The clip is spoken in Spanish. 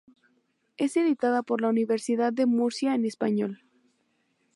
Es editada por la Universidad de Murcia en español.